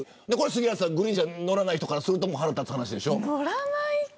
グリーン車乗らない人からすると腹立つでしょ。